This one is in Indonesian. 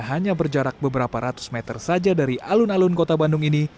hanya berjarak beberapa ratus meter saja dari alun alun kota bandung ini